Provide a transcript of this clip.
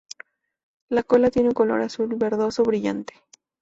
La cola tiene un color azul-verdoso brillante.